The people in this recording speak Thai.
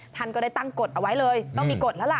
ท่านก็ได้ตั้งกฎเอาไว้เลยต้องมีกฎแล้วล่ะ